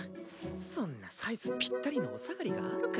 そんなサイズぴったりのお下がりがあるか。